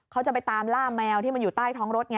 เขาจะไปตามล่าแมวที่มันอยู่ใต้ท้องรถไง